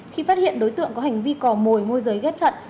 khi phát hiện đối tượng có hành vi cò mồi môi giới ghép thận